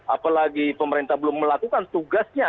apalagi pemerintah belum melakukan tugasnya